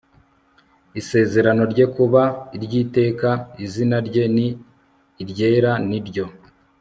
isezerano rye kuba iry iteka izina rye ni iryera n iryo